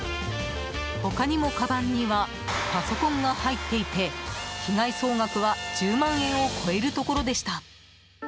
他にも、かばんにはパソコンが入っていて被害総額は１０万円を超えるところでした。